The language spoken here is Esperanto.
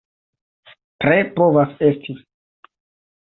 Tre povas esti.